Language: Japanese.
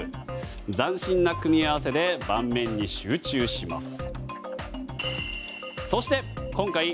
斬新な組み合わせで盤面に集中します。